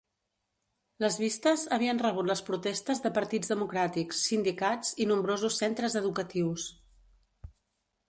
Les vistes havien rebut les protestes de partits democràtics, sindicats i nombrosos centres educatius.